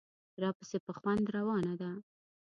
راپسې په خوند روانه ده.